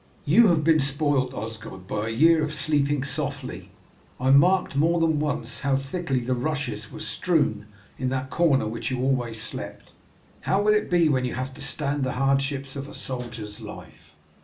"You have been spoilt, Osgod, by a year of sleeping softly. I marked more than once how thickly the rushes were strewn in that corner in which you always slept. How will it be when you have to stand the hardships of a soldier's life?"